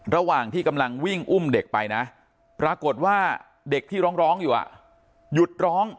ระหว่างที่กำลังวิ่งอุ้มเด็กไปนะปรากฏว่าเด็กที่ร้องอยู่หยุดร้อง